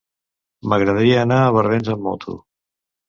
M'agradaria anar a Barbens amb moto.